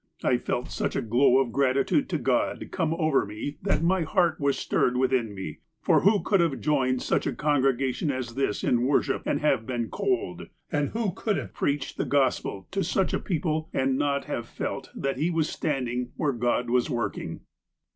I felt such a glow of grati tude to God come over me that my heart was stirred within me, for who could have joined such a congregation as this in worship and have been cold, and who could have preached the Gospel to such a people and not have felt that he was standing where God was working